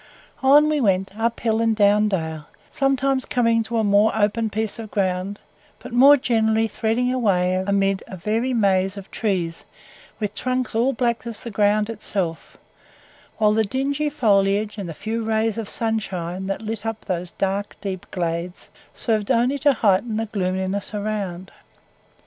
On we went, up hill and down dale, sometimes coming to a more open piece of ground, but more generally threading our way amid a very maze of trees, with trunks all black as the ground itself, whilst the dingy foliage and the few rays of sunshine that lit up those dark, deep glades served only to heighten the gloominess around.